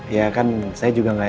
ya kan saya juga nggak